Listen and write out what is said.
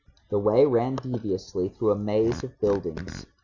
The way ran deviously through a maze of buildings.